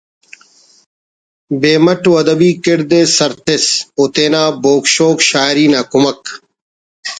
بے مٹ و ءُ ادبی کڑد سر تس او تینا بوگ شوگ شاعری نا کمک